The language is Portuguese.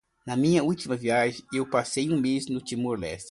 Na minha última viagem eu passei um mês no Timor-Leste.